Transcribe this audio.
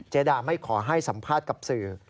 ดาไม่ขอให้สัมภาษณ์กับสื่อ